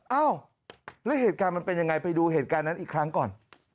เอ้าแล้วเหตุการณ์มันเป็นยังไงไปดูเหตุการณ์นั้นอีกครั้งก่อน